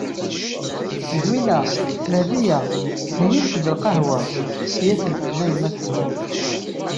Zwina! Dehbiya! Heyyimt-d lqahwa. I asent-tenna yemma-tsent.